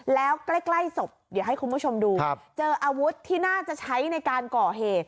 แล้วใกล้ศพเดี๋ยวให้คุณผู้ชมดูเจออาวุธที่น่าจะใช้ในการก่อเหตุ